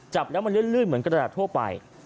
จับแล้วมันลื่นเหมือนกระดาษทั่วไป